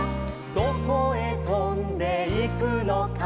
「どこへとんでいくのか」